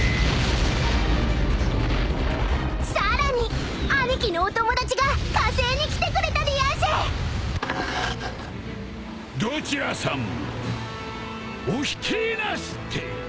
［さらに兄貴のお友達が加勢に来てくれたでやんす］・どちらさんもお控えなすって。